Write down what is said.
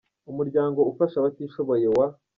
Umuryango ufasha abatishoboye wa